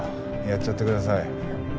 やっちゃってください？